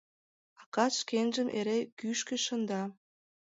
— Акат шкенжым эре кӱшкӧ шында.